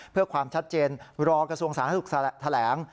เพื่อความชัดเจนรอกระทรวงสาธารณสุขแถลง